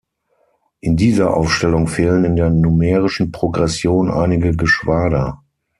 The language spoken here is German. In dieser Aufstellung fehlen in der numerischen Progression einige Geschwader.